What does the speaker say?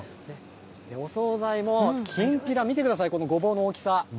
お総菜もきんぴら、見てください、このごぼうの大きさ。